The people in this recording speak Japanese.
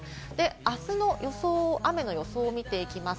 あすの雨の予想を見ていきます。